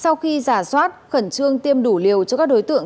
sau khi giả soát khẩn trương tiêm đủ liều cho các đối tượng